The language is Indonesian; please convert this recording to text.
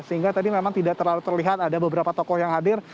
sehingga tadi memang tidak terlalu terlihat ada beberapa tokoh yang hadir